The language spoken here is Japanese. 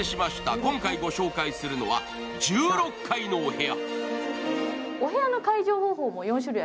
今回ご紹介するのは１６階のお部屋。